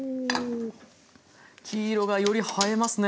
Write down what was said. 黄色がより映えますね。